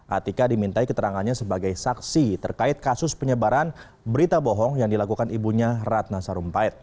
atika dimintai keterangannya sebagai saksi terkait kasus penyebaran berita bohong yang dilakukan ibunya ratna sarumpait